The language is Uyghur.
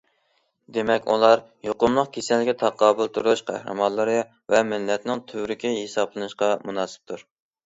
دېمەك، ئۇلار يۇقۇملۇق كېسەلگە تاقابىل تۇرۇش قەھرىمانلىرى ۋە مىللەتنىڭ تۈۋرۈكى ھېسابلىنىشقا مۇناسىپتۇر!